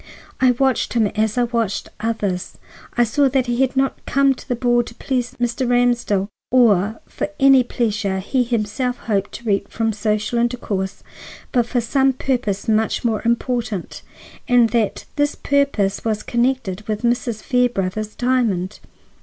I watched him as I watched others. I saw that he had not come to the ball to please Mr. Ramsdell or for any pleasure he himself hoped to reap from social intercourse, but for some purpose much more important, and that this purpose was connected with Mrs. Fairbrother's diamond.